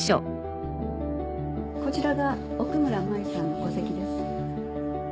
こちらが奥村麻衣さんの戸籍です。